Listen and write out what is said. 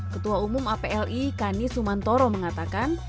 ketua umum apli kani sumantoro mengatakan